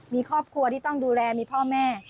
มีครอบครัวที่ต้องดูแลมีพ่อแม่